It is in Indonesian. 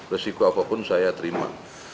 resiko apapun saya terima